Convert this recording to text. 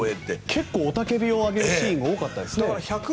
結構雄たけびを上げるシーンが多かったですね。